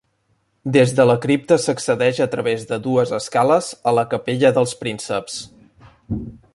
Des de la cripta s'accedeix a través de dues escales, a la capella dels Prínceps.